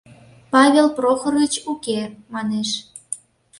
Павел Прохорыч уке, — манеш.